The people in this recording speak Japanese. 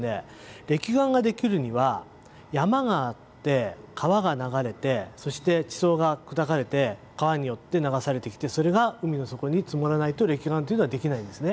れき岩ができるには山があって川が流れてそして地層が砕かれて川によって流されてきてそれが海の底に積もらないとれき岩というのはできないんですね。